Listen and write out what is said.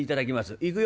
「いくよ。